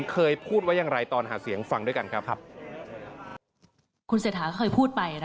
เคยพูดไว้อย่างไรตอนหาเสียงฟังด้วยกันครับครับ